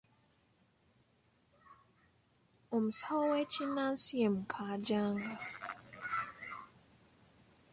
Omusawo w'ekinnansi ye Mukaajanga.